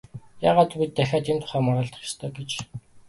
Яагаад бид дахиад энэ тухай маргалдах ёстой гэж?